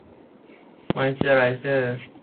มอยซ์เจอร์ไรเซอร์